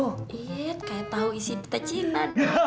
eh kayak tau isi pita cina